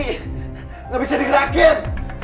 nggak bisa diragin